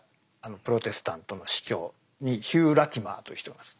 プロテスタントの主教にヒュー・ラティマーという人がいます。